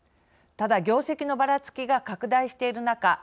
ただ、業績のばらつきが拡大している中